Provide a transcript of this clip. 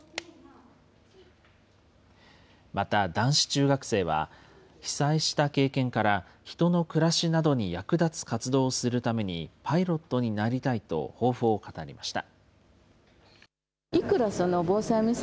また、男子中学生は被災した経験から、人の暮らしなどに役立つ活動をするために、パイロットになりたいと抱負を語りました。